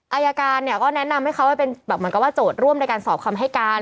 อายการเนี่ยก็แนะนำให้เขาไปเป็นแบบเหมือนกับว่าโจทย์ร่วมในการสอบคำให้การ